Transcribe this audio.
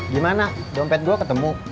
gimana dompet gue ketemu